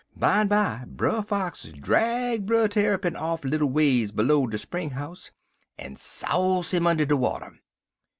Bimeby Brer Fox drag Brer Tarrypin off little ways b'low de spring 'ouse, en souze him under de water.